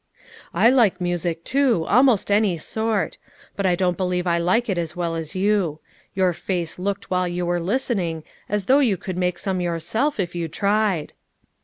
" I like music, too, almost any sort ; but I don't believe I like it as well as you. Your face looked while you were listening as though you could make some yourself if you tried."